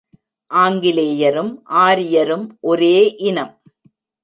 ஆங்கிலேயரும் ஆரியரும் ஒரே இனம்.